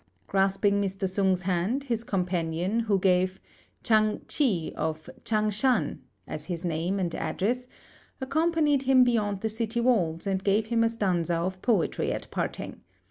Grasping Mr. Sung's hand, his companion, who gave "Chang Ch'i of Ch'ang shan" as his name and address, accompanied him beyond the city walls and gave him a stanza of poetry at parting.